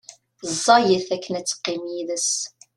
Ẓẓayet akken ad teqqim yid-s.